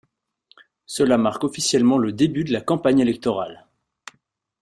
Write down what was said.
Cela marque officiellement le début de la campagne électorale.